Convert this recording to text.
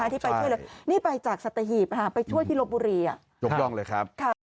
ที่ไปช่วยนี่ไปจากไปช่วยถูกลองเลยค่ะ